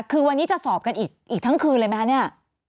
คือวันนี้จะสอบกันอีกทั้งคืนเลยไหมคะเนี่ย